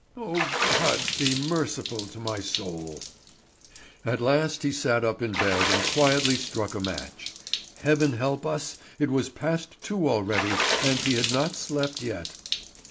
"Oh God, be merciful to my soul!" At last he sat up in bed and quietly struck a match. Heaven help us! It was past two already, and he had not slept yet.